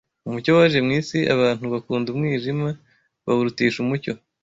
Umucyo waje mu isi, abantu bakunda umwijima, bawurutisha umucyo